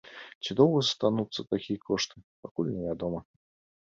Ці доўга застануцца такія кошты, пакуль невядома.